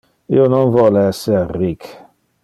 Io non vole ser ric.